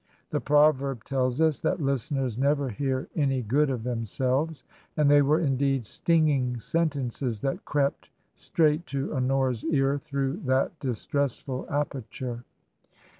The proverb tells us that listeners never hear any good of them selves; and they were indeed stinging sentences that crept straight to Honora's ear through that distressful aperture.